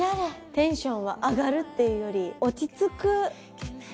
テンションは上がるっていうより落ち着く。